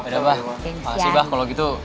ya udah abah makasih abah kalau gitu